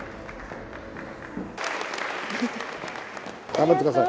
頑張ってください。